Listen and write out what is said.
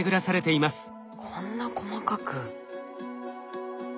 こんな細かく。